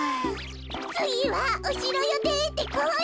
つぎはおしろよでてこい。